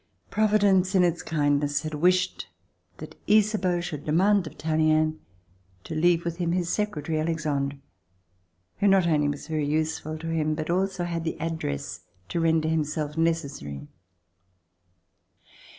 Providence in its kindness had wished that Ysabeau should demand of Tallien to leave with him his secretary Alexandre, who not only was very useful to him but had also the address to render himself necessary.